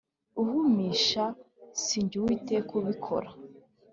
Uhumisha si jye uwiteka ubikora